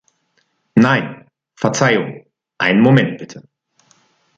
Nein, Verzeihung, einen Moment bitte.